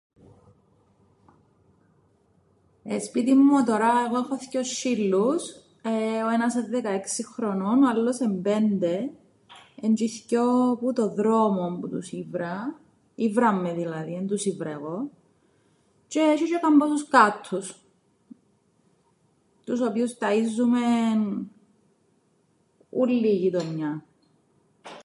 Σπίτιν μου τωρά εγώ έχω θκυο σ̆σ̆ύλλους, ο ένας εν' δεκαέξι χρονών, ο άλλος εν' πέντε. Εν' τζ̆αι οι θκυο που τον δρόμον που τους ήβρα, ήβραν με δηλαδή, εν τους ήβρα εγώ, τζ̆αι έσ̆έι τζ̆αι καμπόσους κάττους τους οποίους ταΐζουμεν ούλλη η γειτονιά.